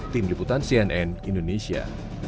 tim liputan cnn indonesia